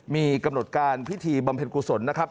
มีกำหนดการพิธีบำเพ็ญกุศลนะครับ